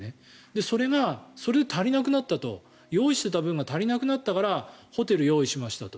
それが、それで足りなくなったと用意していた分が足りなくなったからホテルを用意しましたと。